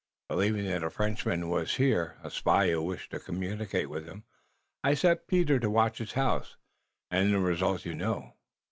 Believing that a Frenchman wass here, a spy who wished to communicate with him, I set Peter to watch his house, und the result you know."